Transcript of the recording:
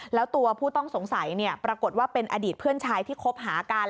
แล้วตัวผู้ต้องสงสัยปรากฏว่าเป็นอดีตเพื่อนชายที่คบหากัน